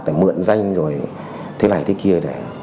để mượn danh rồi thế này thế kia